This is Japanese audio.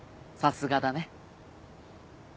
さすがだね。